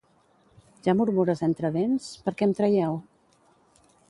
Ja murmures entre dents? Per què em traieu?